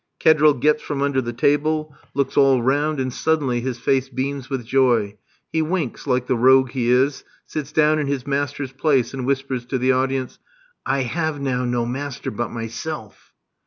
Kedril gets from under the table, looks all round, and suddenly his face beams with joy. He winks, like the rogue he is, sits down in his master's place, and whispers to the audience: "I have now no master but myself."